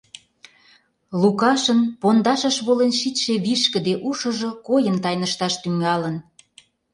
Лукашын пундашыш волен шичше вишкыде ушыжо койын тайнышташ тӱҥалын.